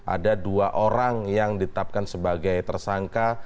ada dua orang yang ditetapkan sebagai tersangka